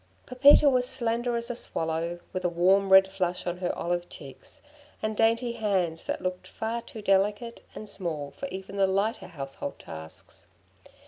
Pepita was slender as a swallow, with a warm red flush on her olive cheeks, and dainty hands that looked far too delicate and small for even the lighter household tasks.